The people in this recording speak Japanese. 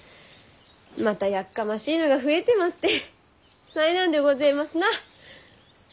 またやっかましいのが増えてまって災難でごぜますな。